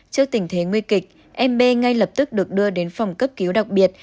trước tình thế nguy kịch em b ngay lập tức được đưa đến phòng cấp cứu đặc biệt